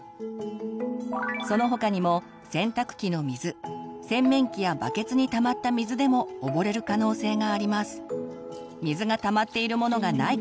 その他にも洗濯機の水洗面器やバケツに溜まった水でも溺れる可能性があります。